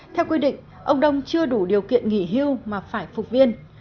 theo quy định ông đông chưa đủ điều kiện nghỉ hưu mà phải phục viên